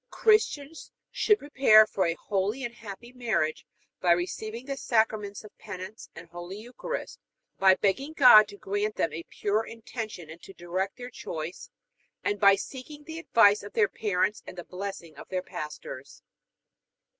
Christians should prepare for a holy and happy marriage by receiving the Sacraments of Penance and Holy Eucharist; by begging God to grant them a pure intention and to direct their choice; and by seeking the advice of their parents and the blessing of their pastors.